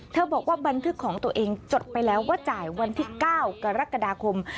บอกว่าบันทึกของตัวเองจดไปแล้วว่าจ่ายวันที่๙กรกฎาคม